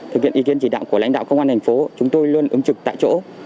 thực hiện ý kiến chỉ đạo của lãnh đạo công an thành phố chúng tôi luôn ứng trực tại chỗ